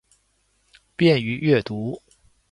便于阅读